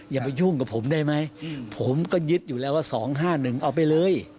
อย่าไปยุ่งกับผมได้ไหมผมก็ยึดอยู่แล้วว่า๒๕๑เอาไปเลย